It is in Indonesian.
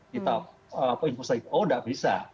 kita oh tidak bisa